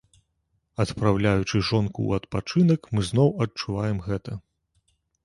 Адпраўляючы жонку ў адпачынак, мы зноў адчуваем гэта.